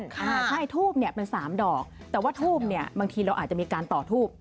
ใช่ทูบเป็น๓ดอกแต่ว่าทูบบางทีเราอาจจะมีการต่อทูบ